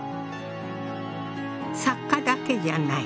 作家だけじゃない。